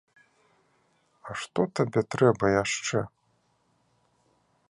Што табе трэба яшчэ?